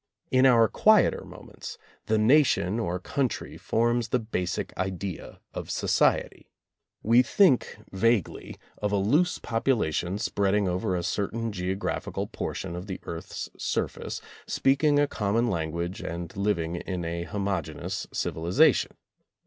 In our quieter moments, the Nation or Country forms the basic idea of society. We think vaguely of a loose population spreading over a certain geographical portion of the earth's surface, speaking a com mon language, and living in a homogeneous civi lization.